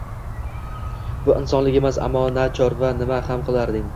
Bu insonlik emas, ammo na chora, nima ham qilarding?!